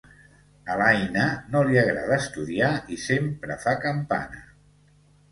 A l'Aina no li agrada estudiar i sempre fa campana: